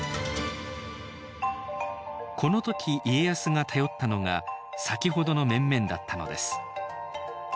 この時家康が頼ったのが先ほどの面々だったのです。